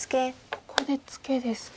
ここでツケですか。